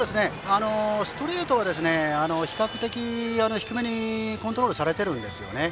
ストレートは比較的、低めにコントロールされているんですね。